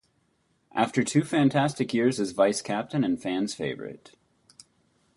After two fantastic years as vice captain and fans favourite.